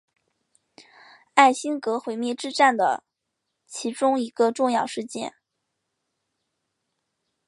艾辛格毁灭之战的其中一个重要事件。